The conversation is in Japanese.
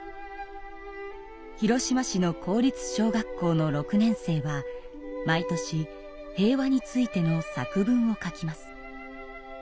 広島市の公立小学校の６年生は毎年平和についての作文を書きます。